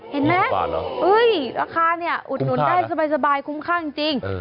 เห็นไหมราคาเนี่ยอุดหนุนได้สบายคุ้มข้างจริง